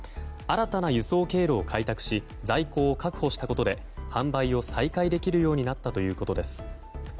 新たな輸送経路を開拓し在庫を確保したことで販売を再開できるようになったということです。